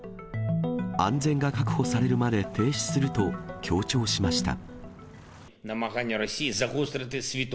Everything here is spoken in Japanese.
安全が確保されるまで停止すると強調しました。